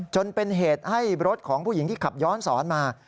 จนเป็นเหตุให้รถของผู้หญิงที่ขับย้อนสอนมา